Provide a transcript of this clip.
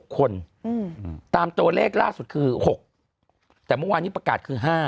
คนตามตัวเลขล่าสุดคือ๖แต่เมื่อวานนี้ประกาศคือ๕